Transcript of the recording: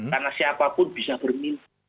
karena siapapun bisa bermil